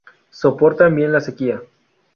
Soportan bien la sequía.